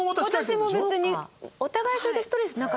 私も別に。